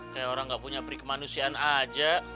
kayak orang gak punya peri kemanusiaan aja